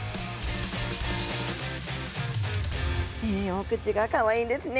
お口がかわいいんですね。